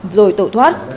rồi tẩu thoát